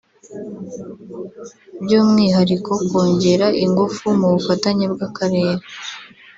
by’umwihariko kongera ingufu mu bufatanye bw’akarere